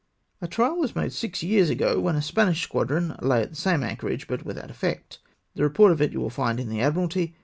" A trial was made six years ago, when a Spanish squadron lay at the same anchorage, but without effect. The report of it you will find in the Admiralty.